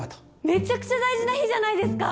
めちゃくちゃ大事な日じゃないですか！